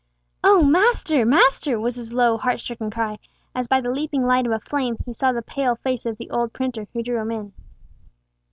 "Oh, master! master!" was his low, heart stricken cry, as by the leaping light of a flame he saw the pale face of the old printer, who drew him in.